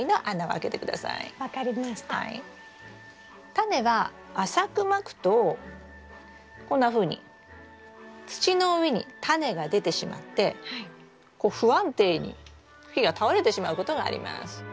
タネは浅くまくとこんなふうに土の上にタネが出てしまってこう不安定に茎が倒れてしまうことがあります。